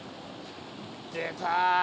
出た。